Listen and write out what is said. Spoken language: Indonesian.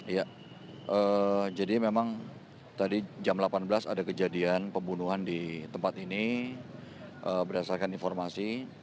ya jadi memang tadi jam delapan belas ada kejadian pembunuhan di tempat ini berdasarkan informasi